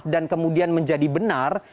dan kemudian menjadi benar